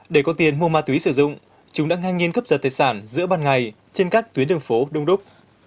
để có tiền mua ma túy sử dụng chúng đã ngang nhiên cướp giật tài sản giữa ban ngày trên các tuyến đường phố đông đúc